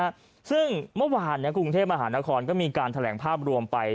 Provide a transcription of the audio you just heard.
เมื่อวานกรุงเทพฯมหานครก็มีการแถลงภาพรวมไป